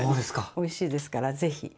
おいしいですから是非。